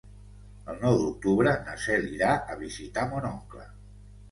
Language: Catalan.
El nou d'octubre na Cel irà a visitar mon oncle.